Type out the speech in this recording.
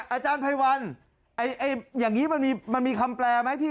อาจารย์ไพรวัลอย่างนี้มันมีคำแปลไหม